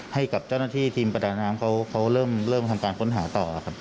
ให้กับเจ้าหน้าที่ทีมประดาน้ำเขาเริ่มทำการค้นหาต่อครับ